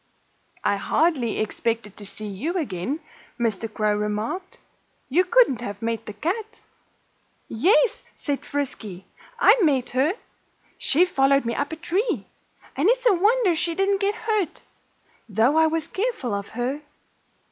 "I hardly expected to see you again," Mr. Crow remarked. "You couldn't have met the cat." "Yes!" said Frisky. "I met her. She followed me up a tree. And it's a wonder she didn't get hurt, though I was careful of her.